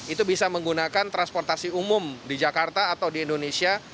itu bisa menggunakan transportasi umum di jakarta atau di indonesia